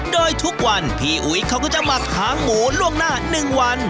โดยทุกวันพี่อุ๋ยเขาก็จะหมักหางหมูล่วงหน้า๑วัน